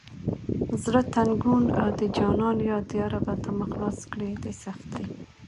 زړه تنګون او د جانان یاد یا ربه ته مو خلاص کړه دې سختي…